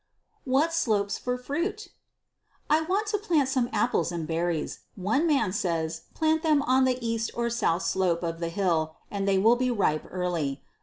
What Slopes for Fruit? I want to plant some apples and berries. One man says plant them on the east or south slope of the hill and they will be ripe early.